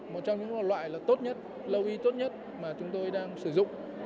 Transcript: một trong những loại là tốt nhất lo y tốt nhất mà chúng tôi đang sử dụng